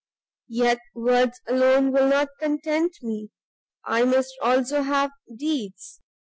Yet words alone will not content me; I must also have deeds.